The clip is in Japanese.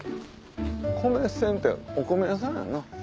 「米専」ってお米屋さんやな。